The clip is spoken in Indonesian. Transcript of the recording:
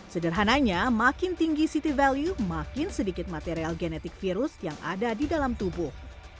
sederhananya makin tinggi city value makin sedikit material genetik virus yang ada di dalam tubuh